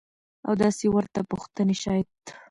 او داسې ورته پوښتنې شايد.